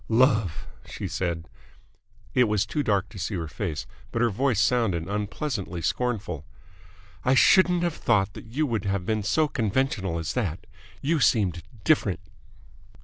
"Love!" she said. It was too dark to see her face, but her voice sounded unpleasantly scornful. "I shouldn't have thought that you would have been so conventional as that. You seemed different."